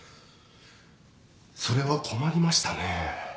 それは困りましたね。